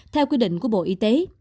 theo quy định của bộ y tế